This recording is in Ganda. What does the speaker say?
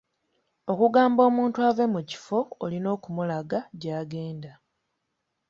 Okugamba omuntu ave mu kifo olina okumulaga gy'agenda.